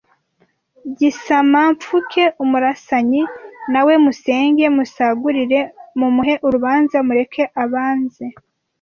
Gisamamfuke umurasanyi Na we musenge musagurire Mumuhe urubanza Mureke abanze